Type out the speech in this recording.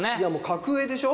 格上でしょ？